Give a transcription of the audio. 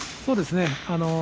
そうですね。